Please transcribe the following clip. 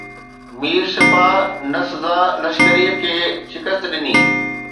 مير سپاه نسزا لشڪريءَ کي شڪست ڏني